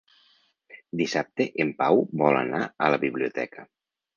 Dissabte en Pau vol anar a la biblioteca.